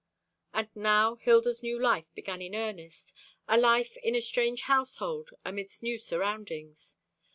And now Hilda's new life began in earnest, a life in a strange household, amidst new surroundings.